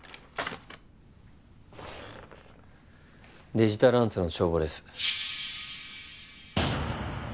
デジタルアンツの帳簿です。